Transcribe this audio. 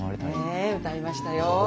ええ歌いましたよ。